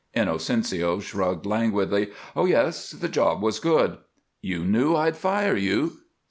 Inocencio shrugged languidly. "Oh yes! The job was good." "You knew I'd fire you!"